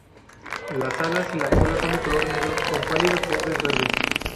Las alas y la cola son de color negro con pálidos bordes verdes.